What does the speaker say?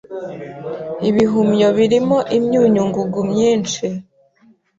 Ibihumyo birimo imyunyu ngugu myinshi.